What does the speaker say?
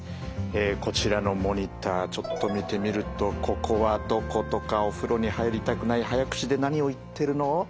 こちらのモニターちょっと見てみると「ここはどこ？」とか「お風呂に入りたくない」「早口で何を言ってるの？」。